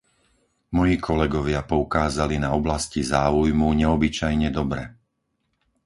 Moji kolegovia poukázali na oblasti záujmu neobyčajne dobre.